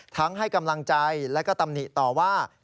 ให้กำลังใจและก็ตำหนิต่อว่า